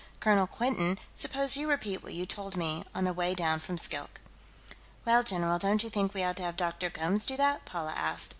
Colonel Quinton, suppose you repeat what you told me, on the way down from Skilk." "Well, general, don't you think we ought to have Dr. Gomes do that?" Paula asked.